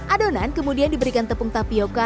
adonan kemudian diberikan tepung tapioca hingga kembali